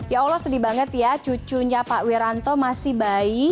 ya allah sedih banget ya cucunya pak wiranto masih bayi